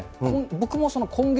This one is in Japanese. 僕も今月、